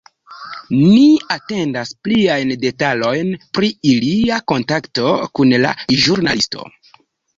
Ni atendas pliajn detalojn pri ilia kontakto kun la ĵurnalisto.